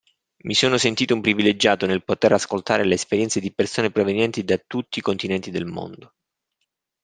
Mi sono sentito un privilegiato nel poter ascoltare le esperienze di persone provenienti da tutti i continenti del Mondo.